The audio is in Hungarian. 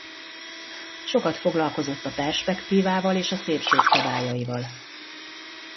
Sokat foglalkozott a perspektívával és a szépség szabályaival.